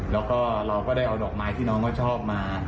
แล้วก็เราก็ได้เอาดอกไม้ที่น้องเขาชอบมา